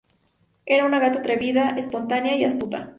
Es una gata atrevida, espontánea y astuta.